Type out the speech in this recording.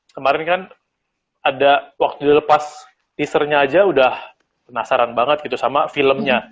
kemarin kan ada waktu dilepas teasernya aja udah penasaran banget gitu sama filmnya